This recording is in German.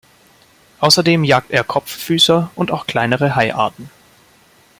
Außerdem jagt er Kopffüßer und auch kleinere Haiarten.